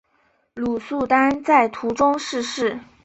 鲁速丹在途中逝世。